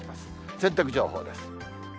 洗濯情報です。